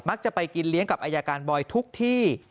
จะไปกินเลี้ยงกับอายการบอยทุกที่